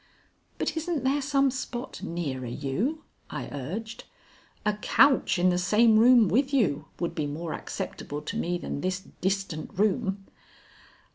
"But isn't there some spot nearer you?" I urged. "A couch in the same room with you would be more acceptable to me than this distant room."